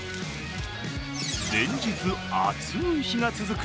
連日暑い日が続く